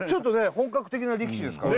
本格的な力士ですからね